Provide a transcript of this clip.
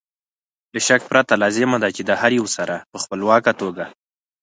له شک پرته لازمه ده چې د هر یو سره په خپلواکه توګه